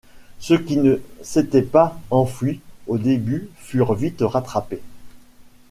Ceux qui ne s'étaient pas enfuis au début furent vite rattrapés.